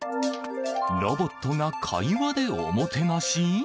ロボットが会話でおもてなし。